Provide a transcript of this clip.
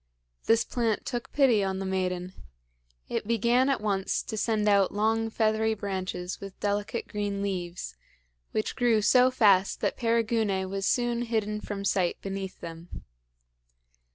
This plant took pity on the maiden. It began at once to send out long feathery branches with delicate green leaves, which grew so fast that Perigune was soon hidden from sight beneath them.